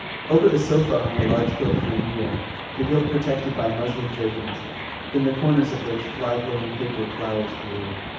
Over the sofa hung a large gilt framed mirror, the gilt protected by muslin drapings, in the corners of which flyblown paper flowers grew.